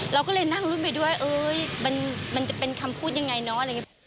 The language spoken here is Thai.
เราก็เลยนั่งรุ่นไปด้วยมันจะเป็นคำพูดยังไงเนอะ